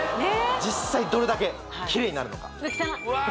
実際どれだけキレイになるのか汚っ！